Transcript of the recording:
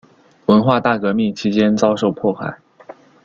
文化大革命期间遭受迫害。